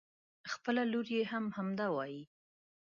خپله لور يې هم همدا وايي.